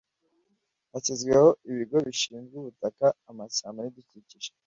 hashyizweho ibigo bishinzwe ubutaka, amashyamba n'ibidukikije